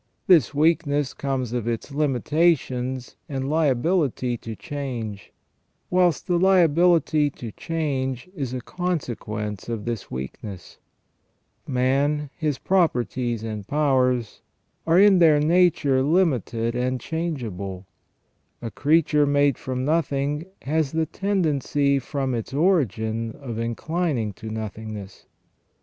This weakness comes of ON EVIL AND THE ORIGIN OF EVIL. 179 its limitations and liability to change, whilst the liability to change is a consequence of this weakness. Man, his properties and powers, are in their nature limited and changeable. A creature made from nothing has the tendency from its origin of inclining to nothingness.